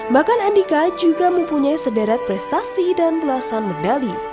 bahkan andika juga mempunyai sederet prestasi dan belasan medali